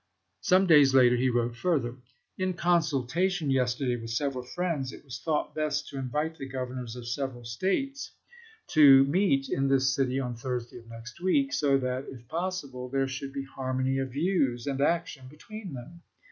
Some days later he wrote further: "In consulta tion yesterday with several friends, it was thought best to invite the Governors of several States to meet in this city on Thursday of next week, so that, if possible, there should be harmony of views and action between them.